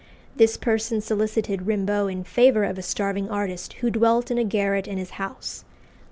This person solicited Rimbault in favour of a starving artist who dwelt in a garret in his house.